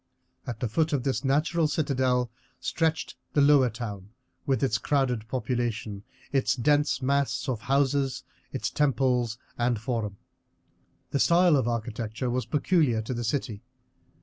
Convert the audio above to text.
At the foot of this natural citadel stretched the lower town, with its crowded population, its dense mass of houses, its temples and forum. The style of architecture was peculiar to the city.